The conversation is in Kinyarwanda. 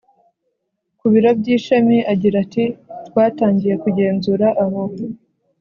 ku biro by ishami Agira ati twatangiye kugenzura aho